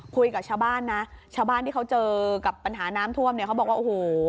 คุยกับชาวบ้านนะชาวบ้านที่เขาเจอกับปัญหาน้ำท่วมเนี่ยเขาบอกว่าโอ้โห